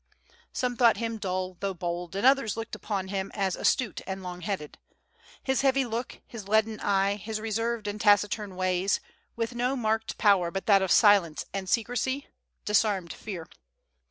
Some thought him dull though bold, and others looked upon him as astute and long headed. His heavy look, his leaden eye, his reserved and taciturn ways, with no marked power but that of silence and secrecy, disarmed fear.